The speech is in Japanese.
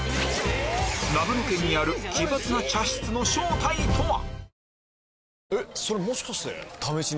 長野県にある奇抜な茶室の正体とは？